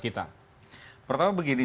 kita pertama begini